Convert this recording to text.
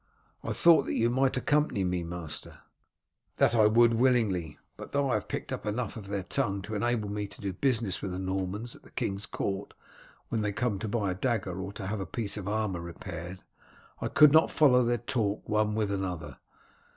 "I thought that you might accompany me, master." "That would I willingly, but though I have picked up enough of their tongue to enable me to do business with the Normans at the king's court when they come in to buy a dagger or to have a piece of armour repaired, I could not follow their talk one with another.